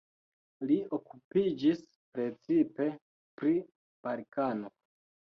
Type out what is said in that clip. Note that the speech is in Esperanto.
Li okupiĝis precipe pri Balkano.